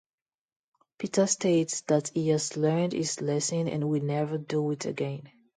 Peter states that he has learned his lesson and will never do it again.